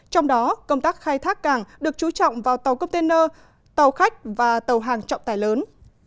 trong đó công tác khai thác cảng được trú trọng vào tàu container tàu khách và tàu hàng trọng tài lớn